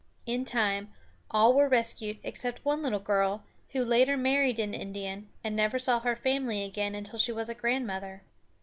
In time, all were rescued, except one little girl, who later married an Indian, and never saw her family again until she was a grandmother.